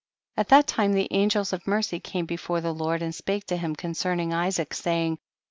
66. At that time the angels of mercy came before the Lord and spake to him concerning Isaac, say ing' 67.